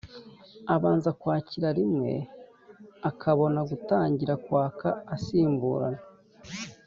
abanza kwakirarimwe akabona gutangira kwaka asimburana